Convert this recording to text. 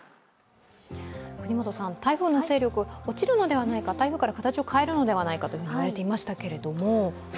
台風の勢力、落ちるのではないか台風から形を変えるのではないかと言われていましたけれども？